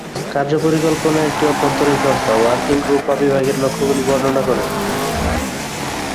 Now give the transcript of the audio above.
কার্য পরিকল্পনা একটি অভ্যন্তরীণ সংস্থা, ওয়ার্কিং গ্রুপ বা বিভাগের লক্ষ্যগুলি বর্ণনা করে।